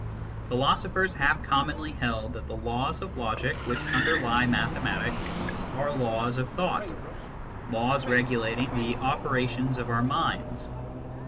Philosophers have commonly held that the laws of logic, which underlie mathematics, are laws of thought, laws regulating the operations of our minds.